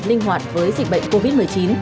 linh hoạt với dịch bệnh covid một mươi chín